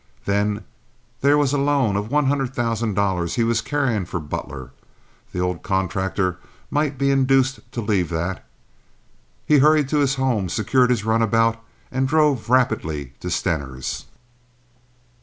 Then there was a loan of one hundred thousand dollars he was carrying for Butler. The old contractor might be induced to leave that. He hurried to his home, secured his runabout, and drove rapidly to Stener's.